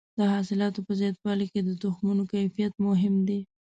د حاصلاتو په زیاتولو کې د تخمونو کیفیت مهم دی.